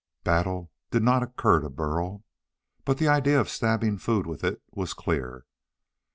Battle did not occur to Burl. But the idea of stabbing food with it was clear.